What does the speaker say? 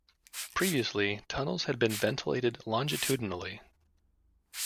Previously, tunnels had been ventilated longitudinally.